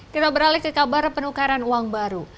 kita beralih ke kabar penukaran uang baru